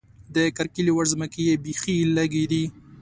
د کرکیلې وړ ځمکې یې بېخې لږې دي.